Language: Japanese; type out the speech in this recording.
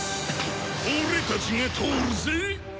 俺たちが通るぜ！